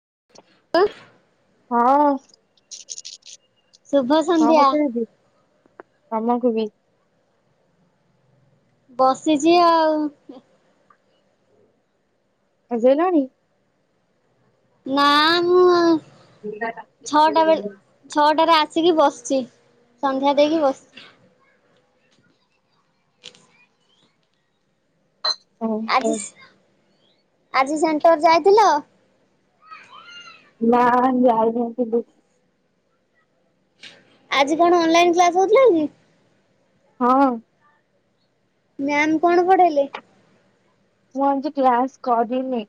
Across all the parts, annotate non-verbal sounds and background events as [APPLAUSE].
[UNINTELLIGIBLE] ହଁ କ ଶୁଭ ସନ୍ଧ୍ୟା କରୁଚ ଦିଦି? ତମକୁ ବି। ବସିଚି ଆଉ ଖାଇସାଇଲଣି? ନା ମୁଁ ପିଲାଟା ଛଅଟା ବେଳେ [UNINTELLIGIBLE] ଛଅଟାରେ ଆସିକି ବସିଚି ସନ୍ଧ୍ୟା ଦେଇକି ବସିଚି। ଓହୋ ଆଜି ଆଜି ସେଣ୍ଟର ଯାଇଥିଲ? ନା ଯାଇନଥିଲୀ। ଆଜି କଣ ଅନଲାଇନ୍ କ୍ଲା ହଉଥିଲା କି? ହଁ। ମ୍ୟାମ୍ କଣ ପଢେଇଲେ? ମୁଁ ଆଜି କ୍ଲାସ୍ କରିନି।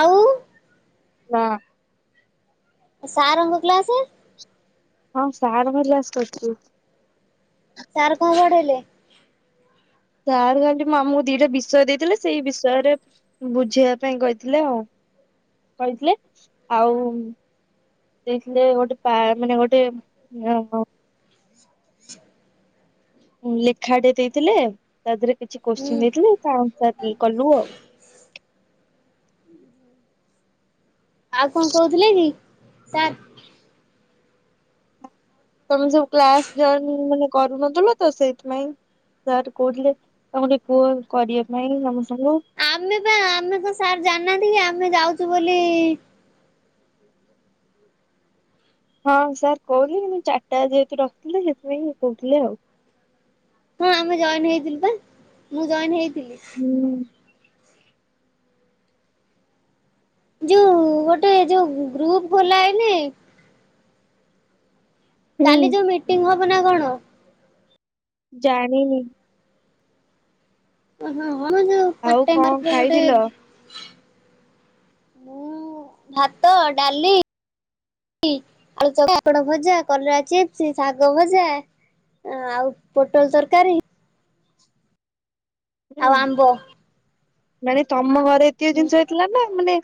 ଆଉ ନା ସାରଙ୍କ କ୍ଳାସେ? ହଁ ସାରଙ୍କ କ୍ଳାସ୍ କରିଚି। ସାର୍ କଣ ପଢେଇଲେ? ସାର୍ ଖାଲି ଆମକୁ ଦିଇଟା ବିଷୟ ଦେଇଥିଲେ ସେଇ ବିଷୟରେ ବୁଝେଇବା ପାଇଁ କହିଥିଲେ ଆଉ କହିଥିଲେ ଆଉ ଦେଇଥିଲେ ଗୋଟେ ପା ମାନେ ଗୋଟେ [UNINTELLIGIBLE] ଲେଖାଟେ ଦେଇଥିଲେ ତା ଦେହରେ କିଛି ହୁଁ କୋଶ୍ଚିନ ଦେଇଥିଲେ ତା ଆନ୍ସର [UNINTELLIGIBLE] କଲୁ ଆଉ। ଆଉ କଣ କୋହୁଥିଲେ କି ସାର୍? ତମେ ସବୁ କ୍ଲାସ୍ ଜଏନିଙ୍ଗ୍ ମାନେ କରୁନଥିଲ ତ ସେଇଥିପାଇଁ ସାର୍ କୋହୁଥିଲେ ତାଙ୍କୁ ଟିକେ କୁହ କରିବା ପାଇଁ ସମସ୍ତଙ୍କୁ ଆମେ ପା ଆମେ ତ ସାର୍ ଜାଣିନାହାନ୍ତି କି ଆମେ ଯାଉଚୁ ବୋଲି ହଁ ସାର୍ କୋହୁଥିଲି କିନ୍ତୁ ଚାରିଟା ଯେହେତୁ ରଖିଲେ ସେଥିପାଇଁ କୋହୁଥିଲେ ଆଉ। ହଁ ଆମେ ଜଏନ୍ ହେଇଥିଲୁ ପା ମୁଁ ଜଏନ୍ ହେଇଥିଲି। ହୁଁ। ଯୋଉ ଗୋଟେ ଯୋଉ ଗ୍ରୁଫ୍ ଖୋଲା ହେଇନି। କାଲି ହୁଁ ଯୋଉ ମିଟିଂ ହବ ନା କଣ? ଜାଣିନି। ଓହୋ ହଁ ଯୋଉ ଆଉ ପାର୍ଟଟାଇମର୍ କଣ [UNINTELLIGIBLE] ଗୋଟେ ଖାଇଥିଲ? ମୁଁ ଭାତ, ଡାଲି ଆଳୁ [UNINTELLIGIBLE] ଭଜା କଲରା ଚିସ୍ପ୍, ଶାଗ ଭଜା ଆଉ ପୋଟଳ ତରକାରୀ। ହୁଁ ଆଉ ଆମ୍ବ ମାନେ ତମ ଘରେ ଏତିକ ଜିନିଷ ହେଇଥିଲା ନା ମାନେ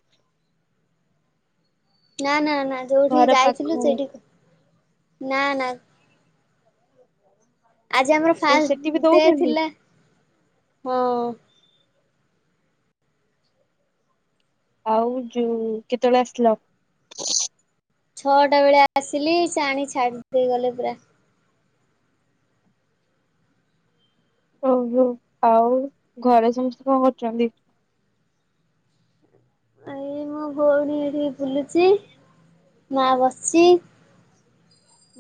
ନାଁ ନାଁ ନାଁ ଯୋଉଠିକି ଘର ପାଖ ଯାଇଥିଲୁ ସେଇଠିକି ନା ନା ଆଜି ଆମର ଓ ସେଠି ବି ଫାଷ୍ଟଡେ ଦଉଛନ୍ତି ଥିଲା। ହଁ। ଆଉ ଯୋଉ କେତେବେଳେ ଆସିଲ? ଛଅଟା ବେଳେ ଆସିଲି ସେ ଆଣିକି ଛାଡି ଦେଇ ଗଲେ ପୁରା। ଓହୋ ଆଉ ଘରେ ସମସ୍ତେ କଣ କରୁଚନ୍ତି? ଏଇ ମୋ ଭଉଣୀ ଏଠି ବୁଲୁଚି ମା ବସିଚି।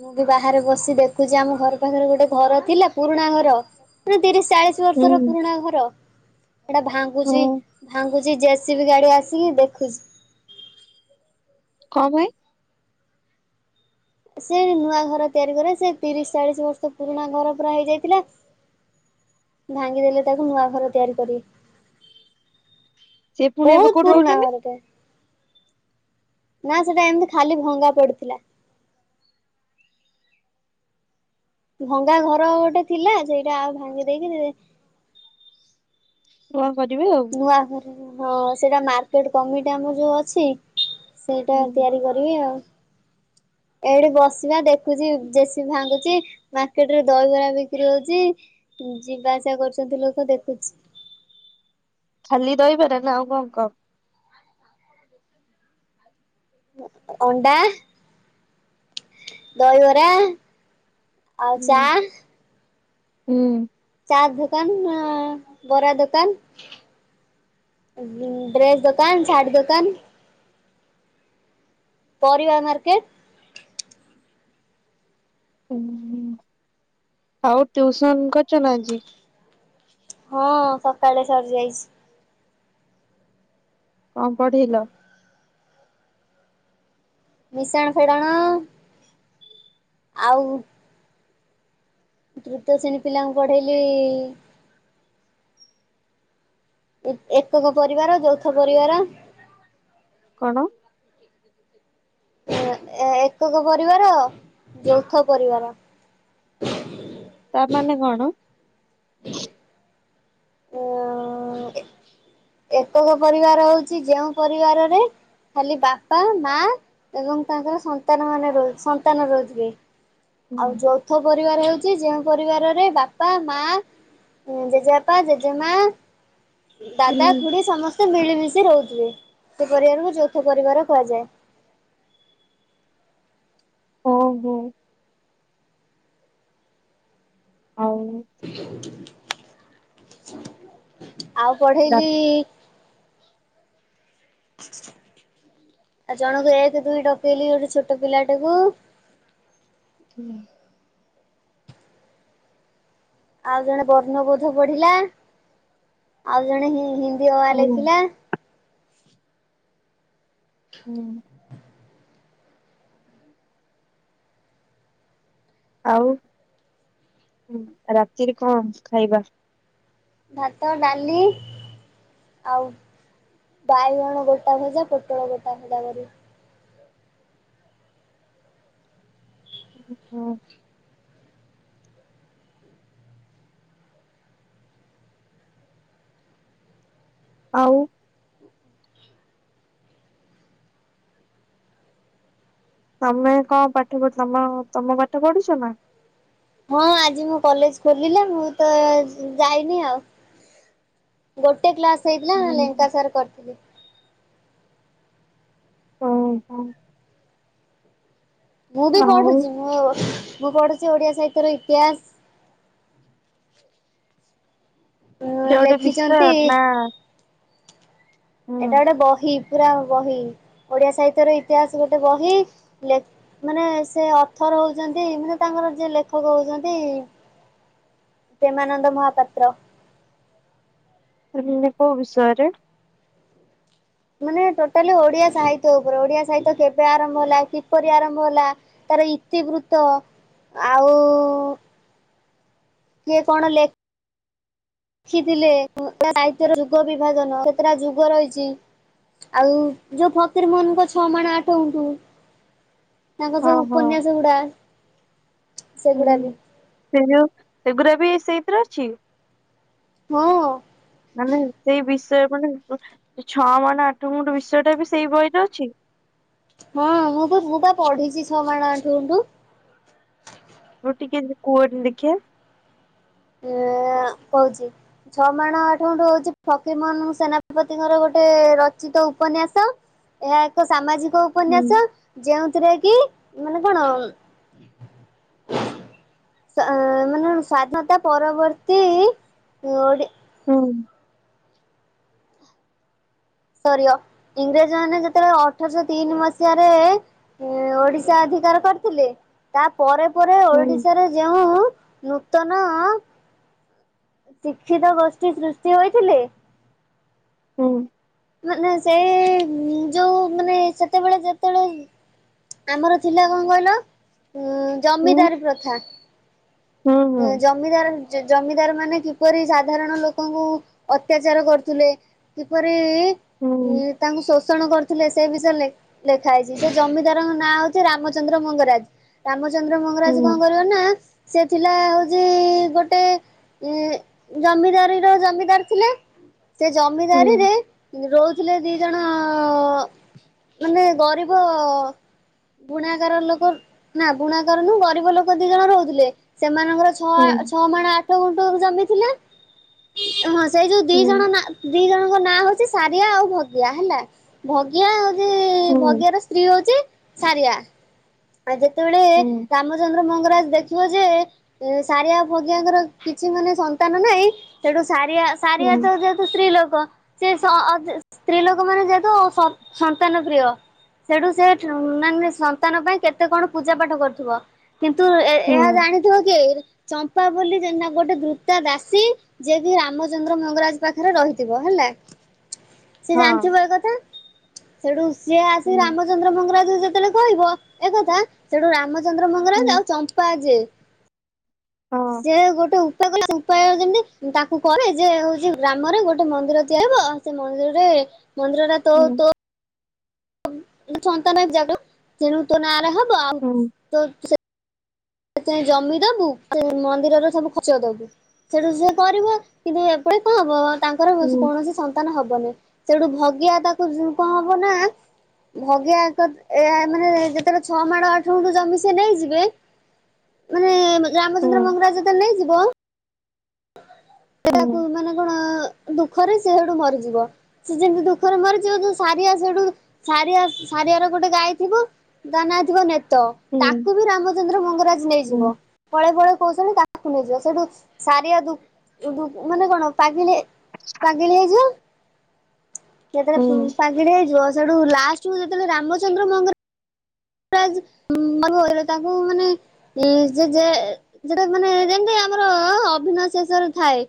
ମୁଁ ବି ବାହାରେ ବସି ଦେଖୁଚି ଆମ ଘର ପାଖରେ ଗୋଟେ ଘର ଥିଲା ପୁରୁଣା ଘର। [UNINTELLIGIBLE] ତିରିଶ ଚାଳି ଶ ହୁଁ ବର୍ଷର ପୁରୁଣା ଘର ହେଟା ହୁଁ ଭାଙ୍ଗୁଚି ଭାଙ୍ଗୁଚି ଜେସିବି ଗାଡି ଆ ସିକି ଦେଖୁଚି। କଂ ପାଇଁ ସେ ନୂଆ ଘର ତିଆରି କରିବେ ସେ ତିରିଶ ଚାଳିଶ ବର୍ଷ ପୁରୁଣା ଘର ପୁରା ହେଇଯାଇଥିଲା। ଭାଙ୍ଗିଦେଲେ ତାକୁ ନୂଆ ଘର ତିଆରି କରିବେ। ସେ ପୁଣି ଏବେ ବୋହୁତ କୋଉଠି ପୁରୁଣା ରହୁଛନ୍ତି? ଘରଟେ। ନାଁ ସେଟା ଏମିତି ଖାଲି ଭଙ୍ଗା ପଡିଥିଲା। ଭଙ୍ଗା ଘର ଗୋଟେ ଥିଲା ସେଇଟା ଆଉ ଭାଙ୍ଗି ଦେଇକି ନୂଆ କରିବେ ଆଉ। ନୂଆ କରିବେ ହଁ ସେଟା ମାର୍କେଟ କମିଟି ଆମକୁ ଯୋଉ ଅଛି। ସେଇଟା ହୁଁ ତିଆରି କ ରିବେ ଆଉ। ଏଇଠି ବସିଚି ପା ଦେଖୁଚି ଜେସିବି ଭାଙ୍ଗୁଚି ମାର୍କେଟରେ ଦହିବରା ବିକ୍ରି ହୋଉଚି। ଯିବା ଆସିବା କରୁଚନ୍ତି ଲୋକ ଦେଖୁଚି। ଖାଲି ଦହିବରା ନା ଆଉ କଣ କଣ? ଅଣ୍ଡା, ଦହିବରା ଆଉ ହୁଁ ଚା ହୁଁ। ଚାର୍ଟ ଧୁକାନ, ବରା ଦୋକାନ। ଡ୍ରେସ୍ ଦୋକାନ ଶାଢ଼ୀ ଦୋକାନ ପରିବା ମାର୍କେଟ। ଆଉ ଟିଉସନ କରୁଛ ନା ଆଜି? ହଁ ସକାଳେ ସରିଯାଇଛି। କଣ ପଢ଼ିଲ? ମିଶାଣ ଫେଡଣା ଆଉ ତୃତୀୟ ଶ୍ରେଣୀ ପିଲାଙ୍କୁ ପଢେଇଲି ଏକକ ପରିବାର ଯୌଥ ପରିବାର। କଣ? ଏକକ ପରିବାର ଯୌଥ ପରିବାର। ତା ମାନେ କଣ? ଏକକ ପରିବାର ହଉଛି ଯେଉଁ ପରିବାରରେ ଖାଲି ବାପା ମା ଏବଂ ତାଙ୍କର ସନ୍ତାନ ମାନେ ର ସନ୍ତାନ ରହୁଥିବେ। ଆଉ ଯୌଥ ପରିବାର ହେଉଛି ଯେଉଁ ପରିବାରରେ ବାପା ମା ଜେଜେପା ଜେଜେମା। ଦାଦା ହୁଁ ଖୁଡି ସମସ୍ତେ ମିଳିମିଶି ରହୁଥିବେ ସେ ପରିବାରକୁ ଯୌଥ ପରିବାର କୁହାଯାଏ। ଓହୋ। ହଉ। ଆଉ ରା ପଢେଇଲି ଆଉ ଜଣକୁ ଏକ ଦୁଇ ଡକେଇଲି ଗୋଟେ ଛୋଟ ପିଲାଟାକୁ। ହୁଁ। ଆଉ ଜଣେ ବର୍ଣ୍ଣବୋଧ ପଢିଲା ଆଉ ଜଣେ ହୀ ହିନ୍ଦୀ ଅ ଆ ହୁଁ ଲେଖିଲା। ହୁଁ। ଆଉ ରାତିରେ କଣ ଖାଇବା? ଭାତ ଡାଲି ଆଉ ବାଇଗଣ ଗୋଟା ଭଜା ପୋଟଳ ଗୋଟା ଭଜା କରି। ହୁଁ ହୁଁ। ଆଉ। ତମେ କଣ ପାଠ ପଢୁ ତମ ତମ ପାଠ ପଢୁଛ ନା? ହଁ ଆଜି ମୁଁ କଲେଜ ଖୋଲିଲେ ମୁଁ ତ ଯାଇନି ଆଉ। ଗୋଟେ କ୍ଲାସ ହେଇଥିଲା ନା ହୁଁ। ଲେଙ୍କା ସାର୍ କରିଥିଲି। ହ ହୋ। ମୁଁ ବି ଆଉ ପଢୁଛି ମୁଁ ମୁଁ ପଢୁଛି ଓଡିଆ ସାହିତ୍ୟର ଇତିହାସ। ଉଁ ଯୋଉଟେ ବିଷ ଲେଖିଛନ୍ତି ଏଇଟା ନା ହୁଁ, ଏଇଟା ଗୋଟେ ବହି ପୁରା ବହି ଓଡିଆ ସାହିତ୍ୟର ଇତିହାସ ଗୋଟେ ବହି। ଯେ ମାନେ ସେ ଅର୍ଥର ହଉଛନ୍ତି ମାନେ ତାଙ୍କର ଯି ଲେଖକ ହଉଛନ୍ତି। ପ୍ରେମାନନ୍ଦ ମହାପାତ୍ର। ତମେ କ ବିଷୟରେ? ମାନେ ଟୋଟାଲି ଓଡିଆ ସାହିତ୍ୟ ଉପରେ ଓଡିଆ ସାହିତ୍ୟ କେବେ ଆରମ୍ଭ ହେଲା କିପରି ଆରମ୍ଭ ହେଲା? ତାର ଇତବୃତ ଆଉ କିଏ କଣ ଲେଖ ଶଖିଥିଲେ ସା୍ୟ ଯୁଗ ବିଭାଜନ ସେତେଟା ଯୁଗ ରହିଛି। ଆଉ ଯୋଉ ଫକୀର ମୋହନଙ୍କ ଛଅ ମାଣ ଆଠ ଗୁଣ୍ଠୁ। ତାଙ୍କ ହଁ ଯୋଉ ହଁ ଉପନ୍ୟାସଗୁଡା ସେଗୁଡା ହୁଁ। ବି। ସେ ଯଉ ସେଗୁରା ବି ସେଇଥିରେ ଅଛି? ହଁ। ମାନେ ସେଇ ବିଷୟରେ ମାନେ ଉଁ ଛଅ ମାଣ ଆଠ ଗୁଣ୍ଠ ବିଷୟା ଟା ବି ସେଇ ବହିରେ ଅଛି? ହଁ ମୁଁ ତ ମୁଁ ପା ପଢିଛି ଛଅ ମାଣ ଆଠ ଗୁଣ୍ଠ। ରୁ ଟିକେ କୁଅନି ଦେଖିବା? ଏ କହୁଛି। ଛଅ ମାଣ ଆଠ ଗଣ୍ଠୁ ହଉଛି ଫକିରମୋହନ ସେନାପତିଙ୍କର ଗୋଟେ ରଚିତ ଉପନ୍ୟାସ। ଏହା ଏକ ସାମାଜିକ ହୁଁ ଉପନ୍ୟାସ ଯେଉଁଥିରେ କି ମାନେ କଣ? ଶ୍ୱା ମାନେ ସ୍ୱାଧୀନତା ପରବର୍ତ୍ତୀ ଓଡି ହୁଁ। ସରି ଅ ଇଂରେଜ ମାନେ ଯେତେବେଳେ ଅଠରଶହ ତିନି ମସିହାରେ ଏ ଓଡିଶା ଅଧିକାର କରିଥିଲେ ତା ପରେ ପରେ ହୁଁ ଓଡିଶାରେ ଯେଉଁ ନୂତନ ଶିକ୍ଷିତ ଗୋଷ୍ଠୀ ସୃଷ୍ଟି ହୋଇଥିଲେ। ହୁଁ। ମାନେ ସେ ଯୋଉ ମାନେ ସେତେବେଳେ ଯେତେବେଳେ ଆମର ଥିଲା କଣ କହିଲ? ଉଁ ଜମିଦାର ପ୍ରଥା। ହୁଁ ହୁଁ। ଉଁ ଜ ଜମିଦାର ଜମିଦାର ମାନେ କିପରି ସାଧାରଣ ଲୋକଙ୍କୁ ଅତ୍ୟାଚାର କରୁଥିଲେ? କିପରିଇ ହୁଁ ତାଙ୍କୁ ଶୋଷଣ କରିୁଥିଲେ ସେ ବିଷୟରେ ଲେ ଲେଖା ହେଇଛି, ସେ ଜମିଦାରଙ୍କ ନାଁ ହଉଛି ରାମଚନ୍ଦ୍ର ମଙ୍ଗରାଜ। ରାମଚନ୍ଦ୍ର ମଙ୍ଗରାଜ ହୁଁ କଣ କରିବ ନା ସେ ଥିଲା ହଉଚି ଗୋଟେ ଏ ଜମିଦାରିର ଜମିଦାର ଥିଲେ। ସେ ଜମିଦାରିରେ ରହୁଥିଲେ ଦି ଜଣଅ ମାନେ ଗରିବ ବୁଣାକାର ଲୋକ ନା ବୁଣାକାର ନୁ ଗରିବ ଲୋକ ଦି ଜଣ ରହୁଥିଲେ। ସେମାନଙ୍କର ଛଅ ହୁଁ ହୁଁ ହୁଁ କଛଅ ମାଣ ଆଠ ଗୁଣ୍ଟ ଜମିଥିଲେ ହଁ ସେଇ ଯୋଉ ଦି ଜଣ ନା ଦି ଜଣଙ୍କ ନାଁ ହଉଛି ସାରିଆ ଆଉ ଭଗିଆ ହେଲା। ଭଗିଆ ହଉଛି ହୁଁ ହୁଁ ଭଗିଆ ର ସ୍ତ୍ରୀ ହଉଛି ସାରିଆ। ଆଉ ଯେତେବେଳେ ରାମଚନ୍ଦ୍ର ମଙ୍ଗରାଜ ଦେଖିବ ଯେ ଏ ସାରିଆ ଭଗିଆଙ୍କର କିଛି ମାନେ ସନ୍ତାନ ନାହିଁ ସେଠୁ ସାରିଆ ହୁଁ ସାରିଆ ତ ସ୍ତ୍ରୀ ଲୋକ ସେ ସ ସ୍ତ୍ରୀ ଲୋକ ମାନେ ଯେହେତ ସ ସନ୍ତାନ ପ୍ରିୟ। ସେଠୁ ସେ ଟ୍ରୁ ମାନେ ସନ୍ତାନ ପାଇଁ କେତେ କଣ ପୂଜା ପାଠ କରୁଥିବ କିନ୍ତୁ ଏ ହୁଁ ଏହା ଜାଣିଥିବ କିଏ? ଚମ୍ପା ବୋଲି ଯେନା ଗୋଟେ ଦ୍ରୁତା ଦାସୀ। ଜିଏ କି ରାମଚନ୍ଦ୍ର ମଙ୍ଗରାଜ ପାଖରେ ରହିଥିବ ହେଲା। ସିଏ ଜାଣିଥିବ ଏ କଥା ସେଠୁ ସିଏ ଆସିକି ହୁଁ ହଁ ରାମଚନ୍ଦ୍ର ମଙ୍ଗରାଜୁ ଯେତେବେଳେ କହିବ ଏ କଥା ସେଠୁ ରାମଚନ୍ଦ୍ର ହୁଁ ହୁଁ ମଙ୍ଗରାଜ ଆଉ ଚମ୍ପା ଯେ ସେ ଗୋଟେ ଉପାୟ। [UNINTELLIGIBLE] ଉପାୟ ଯେମିତି ତାକୁ କରେ ଯେ ହଉଛି ଗ୍ରାମରେ ଗୋଟେ ମନ୍ଦିର ତିଆବ ଆଉ ସେ ମନ୍ଦିରରେ ମନ୍ଦିର ଟା ତୋ ହଁ ହୁଁ ତୋ ସନ୍ତାନ ଜାଗ ତେଣୁ ତୋ ନା ଆର ହବ ଆଉ ହୁଁ ତୋ ସେ ଜମି ଦବୁ ସେ ମନ୍ଦିରରେ ସବୁ ଖର୍ଚ୍ଚ ଦବୁ। ସେଠୁ ସେ କରିବ କିନ୍ତୁ ଏପଟେ କଣ ହବ ତାଙ୍କର କୌଣସି ସନ୍ତାନ ହବନି। ସେଇଠୁ ଭଗିଆ ତାକୁ କଣ ହବ ନା? ଭଗିଆ ଏକକ୍ ଏ ମାନେ, ଯେତେବେଳେ ଛଅ ମାଣ ଆଠ ଗୁଣ୍ଠୁ ଜମି ସେ ନେଇଯିବେ ମାନେ-ଏ ହୁଁ ରାମଚନ୍ଦ୍ର ହୁଁ ମଙ୍ଗରାଜ ଯେତେଳ ନେଇଯିବ! ସେଟାକୁ ମାନେ କଣ ଦୁଃଖରେ ସେ ହେଠୁ ମରିଯିବ। ସେ ଯେମିତି ଦୁଃଖରେ ମରିଯିବ। ଯୋଉ ସାରିଆ ସେଠୁ ସାରିଆ ସାରିଆର ଗୋଟେ ଗାଈ ଥିବ। ତା ନାଁ ଥିବ ନେତ। ତାକୁ ବି ରାମଚନ୍ଦ୍ର ମଙ୍ଗରାଜ ନେଇଯିବ। କଳେ ବେଳେ କୌଶଳେ ତାହାକୁ ନେଇଯିବ। ସେଇଠୁ ସାରିଆ ଦୁ ଓଗକୁ, ମାନେ କଣ ପାଗିଳି ପାଗିଳି ହେଇଯିଅ। ହୁଁ ହୁଁ ହୁଁ ହୁଁ ହଁ ହଁ ଯେତେବେଳେ ହଁ ହୁଁ ପାଗିଳି ହେଇଯିବ। ସେଠୁ ଲାଷ୍ଟକୁ ଯେତେବେଳେ ରାମଚନ୍ଦ୍ର ମଙ୍ଗର ରାଜ୍ [INAUDIBLE] ତାଙ୍କୁ ମାନେ ଯେ ଯେ ଯେଟା ମାନେ ଯେମିତି ଆମର-ଅ ଅଭିନୟ ଶେଷରେ ଥାଏ।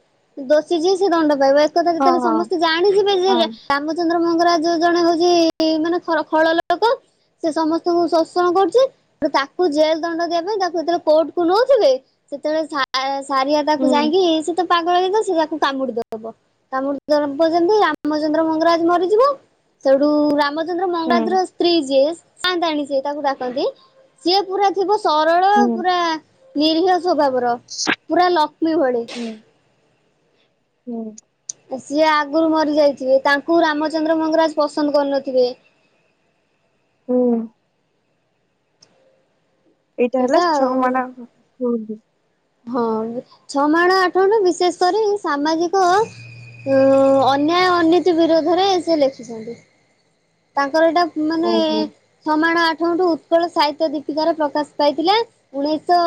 ଦୋଷି ଯିଏ ସେ ଦଣ୍ଡ ପାଇବ। ହୁଁ ଏକଥା ଯେତେବେଳେ ସମସ୍ତେ ଜାଣିଯିବେ ଯେରେ ହୁଁ ରାମଚନ୍ଦ୍ର ମଙ୍ଗରାଜ ଜଣେ ହଉଛି, ମାନେ ଖ-ଖଳ ଲୋକ। ସେ ସମସ୍ତ ତୁ ଶୋଷଣ କରୁଛି। ତାକୁ ଜେଲ୍ ଦଣ୍ଡ ଦେବା ପାଇଁ ତାକୁ ଯେତେବେଳେ କୋର୍ଟ କୁ ନଉଥିବେ ସେତେବେଳେ ସା-ସାରିଆ ତାକୁ ହୁଁ ଯାଇଁକି, ସେ ତ ପାଗଳ ହେଇଁଥିବ। ସେ ତାକୁ କାମୁଡିଦବ। ହବ। [UNINTELLIGIBLE] ରାମଚନ୍ଦ୍ର ମଙ୍ଗରାଜ ମରିଯିବ ସେଇଠୁ ରାମ ଚନ୍ଦ୍ର ମଙ୍ଗରାଜ ର ହୁଁ ସ୍ତ୍ରୀ ଯିଏ। ସାଁତାଣୀ ସିଏ ତାକୁ ଡାକନ୍ତି, ସିଏ ପୁରା ଥିବ ସରଳ ହୁଁ। ପୁରା ନିରିହ ସ୍ଵଭାବର ପୁରା ଲକ୍ଷ୍ମୀ ଭଳି। ସିଏ ଆଗରୁ ମରି ଯାଇଥିବେ। ତାଙ୍କୁ ରାମଚନ୍ଦ୍ର ମଙ୍ଗରାଜ ପସନ୍ଦ କରୁନଥିବେ। ହୁଁ। ଏଇଟା ହେଲା ଛଅ ମାଣ ହୁଁ ହୁଁ। ହଁ, ଛଅ ମାଣ ଆଠଗୁଣ୍ଠୁ ବିଶେଷ କରି ସାମାଜିକ ଉଁ, ଅନ୍ୟାୟ ଅନୀତି ବିରୋଧରେ ସେ ଲେଖିଛନ୍ତି। ତାଙ୍କର ଏଇଟା ମାନେ-ଏ ଓହୋ ଛଅମାଣ ଆଠଗୁଣ୍ଠୁ ଉତ୍କଳ ସାହିତ୍ୟ ଦୀପିକାରେ ପ୍ରକାଶ ପାଇଥିଲା। ଉଣେଇଶଅ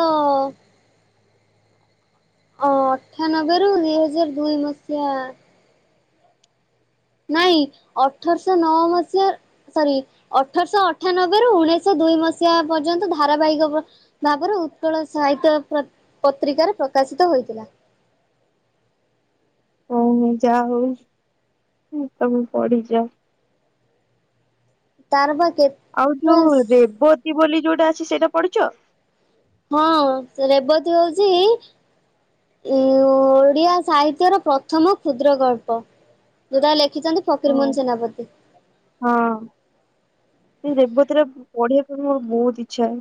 ଅ-ଅଠାନବେରୁ ଦି ହଜାର ଦୁଇ ମସିହା ନାଇଁ, ଅଠରଶହ ନଅ ମସିହା ସରି, ଅଠରଶହ ଅଠାନବେରୁ ଉଣେଇଶହ ଦୁଇ ମସିହା ପର୍ଯ୍ୟନ୍ତ ଧାରାବାହିକ ବା ଭାବରେ ଉତ୍କଳ ସାହିତ୍ୟ ପ୍ର-ପତ୍ରିକାରେ ପ୍ରକାଶିତ ହୋଇଥିଲା। ଓହୋ! ଯା ହଉ ତମେ ପଢିଚ। ତାର ପା କେତ୍ ଆଉ ଯୋଉ ରେବତୀ ବୋଲି ଯୋଉଟା ଅଛି। ସେଇଟା ପଢିଚ? ହଁ, ସେ ରେବତୀ ହଉଛି ଓଡ଼ିଆ ସାହିତ୍ୟର ପ୍ରଥମ କ୍ଷୁଦ୍ର ଗଳ୍ପ। ଯଉଟା ଲେଖିଛନ୍ତି, ହଁ। ଫକୀରମୋହନ ସେନାପତି। ହଁ, ସେ ରେବତୀରେ ପଢିବା ପାଇଁ ମୋର ବହୁତ ଇଚ୍ଛା।